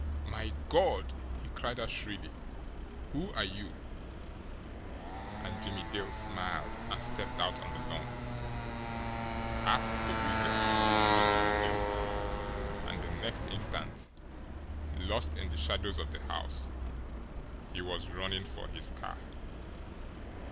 "My God!" he cried out shrilly. "Who are you?" And Jimmie Dale smiled and stepped out on the lawn. "Ask the Weasel," said Jimmie Dale and the next instant, lost in the shadows of the house, was running for his car.